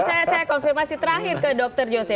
saya konfirmasi terakhir ke dr jose